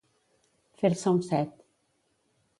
Fer-se un set.